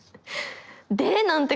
「で？」なんて